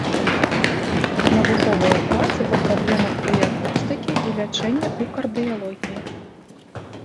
Навуковыя працы па праблемах дыягностыкі і лячэння ў кардыялогіі.